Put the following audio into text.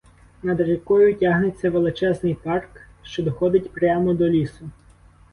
Над рікою тягнеться величезний парк, що доходить прямо до лісу.